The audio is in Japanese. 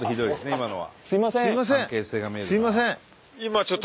今のは。